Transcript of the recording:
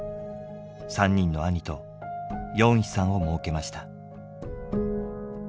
３人の兄とヨンヒさんをもうけました。